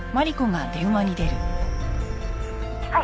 「はい」